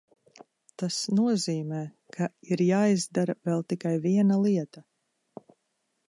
Tas nozīmē, ka ir jāizdara vēl tikai viena lieta.